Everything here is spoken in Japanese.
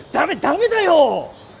ダメだよ！